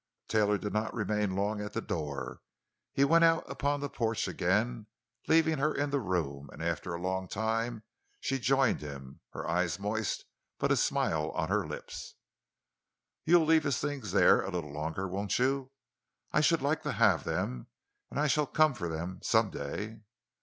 Taylor did not remain long at the door; he went out upon the porch again, leaving her in the room, and after a long time she joined him, her eyes moist, but a smile on her lips. "You'll leave his things there—a little longer, won't you? I should like to have them, and I shall come for them, some day."